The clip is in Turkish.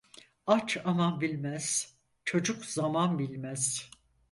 Aç aman bilmez, çocuk zaman bilmez.